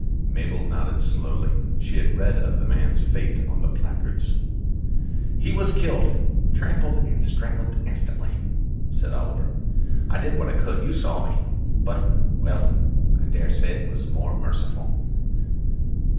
Mabel nodded slowly: she had read of the man's fate on the placards. "He was killed trampled and strangled instantly," said Oliver. "I did what I could: you saw me. But well, I dare say it was more merciful."